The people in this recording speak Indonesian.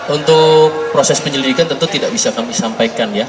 untuk proses penyelidikan tentu tidak bisa kami sampaikan ya